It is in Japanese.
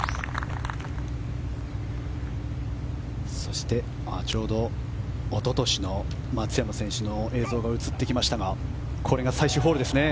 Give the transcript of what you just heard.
そして、ちょうどおととしの松山選手の映像が映ってきましたがこれが最終ホールですね。